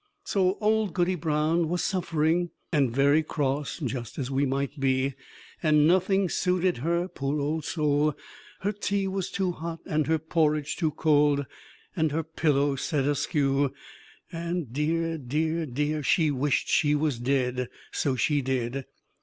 So old Goody Brown was suffering, and very cross, just as we might be; and nothing suited her, poor old soul; her tea was too hot, and her porridge too cold, and her pillow set askew, and dear! dear! dear! she wished she was dead, so she did.